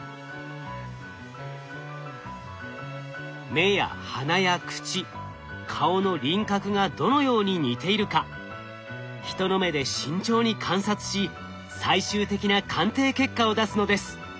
目や鼻や口顔の輪郭がどのように似ているか人の目で慎重に観察し最終的な鑑定結果を出すのです。